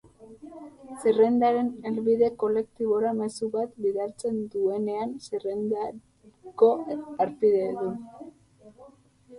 Zerrendaren helbide kolektibora mezu bat bidaltzen duenean, zerrendako harpidedun guztiek jasoko dute.